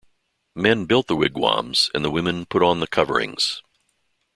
Men built the wigwams and the women put on the coverings.